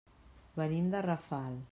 Venim de Rafal.